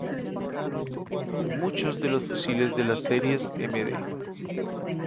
Muchos de los fusiles de las series md.